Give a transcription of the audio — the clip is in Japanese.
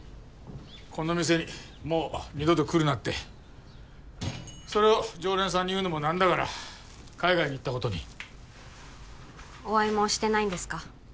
この店にもう二度と来るなってそれを常連さんに言うのも何だから海外に行ったことにお会いもしてないんですか？